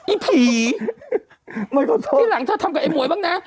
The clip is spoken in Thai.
ไอ้ผีไม่ขอโทษที่หลังเธอทำกับไอ้หมวยบ้างน่ะ